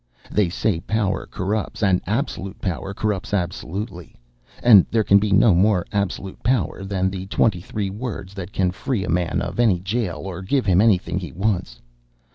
They say power corrupts; and absolute power corrupts absolutely. And there can be no more absolute power than the twenty three words that can free a man of any jail or give him anything he wants.